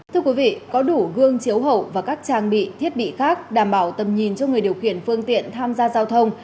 thưa quý vị có đủ gương chiếu hậu và các trang bị thiết bị khác đảm bảo tầm nhìn cho người điều khiển phương tiện tham gia giao thông